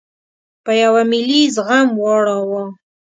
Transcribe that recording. په یوه ملي زخم واړاوه.